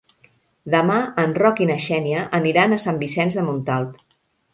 Demà en Roc i na Xènia aniran a Sant Vicenç de Montalt.